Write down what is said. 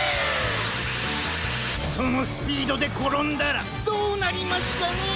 そのスピードでころんだらどうなりますかねえ。